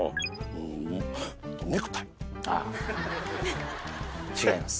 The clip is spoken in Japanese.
うんあっ違います